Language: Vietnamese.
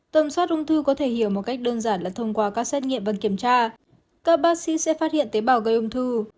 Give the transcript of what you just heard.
tâm soát ung thư có thể hiểu một cách đơn giản là thông qua các xét nghiệm và kiểm tra các bác sĩ sẽ phát hiện tế bào gây ung thư